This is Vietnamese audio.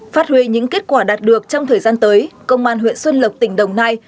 phát huy những kết quả đạt được trong thời gian tới công an huyện xuân lộc tỉnh đồng nai